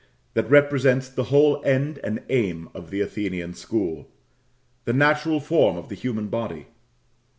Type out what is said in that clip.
That represents the whole end and aim of the Athenian school the natural form of the human body.